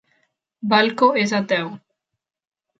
Balko és ateu.